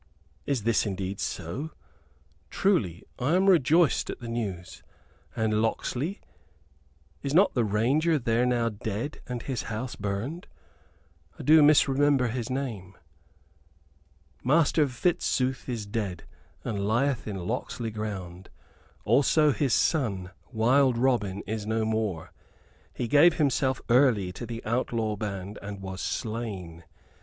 "Is this indeed so? Truly I am rejoiced at the news. And Locksley is not the Ranger there now dead, and his house burned? I do misremember his name." "Master Fitzooth is dead and lieth in Locksley ground. Also his son, wild Robin, is no more. He gave himself early to the outlaw band, and was slain.